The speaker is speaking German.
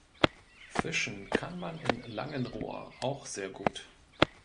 Fischen kann man in Langenrohr auch sehr gut.